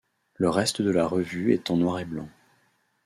Le reste de la revue est en noir et blanc.